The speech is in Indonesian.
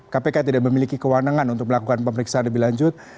kpk tidak memiliki kewenangan untuk melakukan pemeriksaan lebih lanjut